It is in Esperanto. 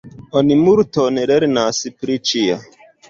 Oni multon lernas pri ĉio.